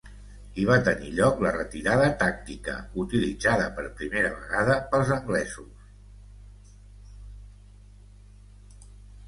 Hi va tenir lloc la retirada tàctica, utilitzada per primera vegada pels anglesos.